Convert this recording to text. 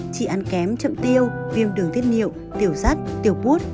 chị ăn kém chậm tiêu viêm đường tiết niệu tiểu rắt tiểu bút